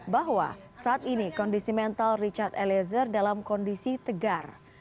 bahwa saat ini kondisi mental richard eliezer dalam kondisi tegar